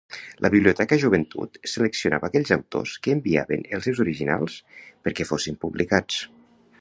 La Biblioteca Joventut seleccionava aquells autors que enviaven els seus originals perquè fossin publicats.